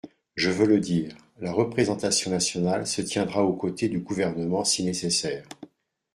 Je veux le dire : la représentation nationale se tiendra aux côtés du Gouvernement, si nécessaire.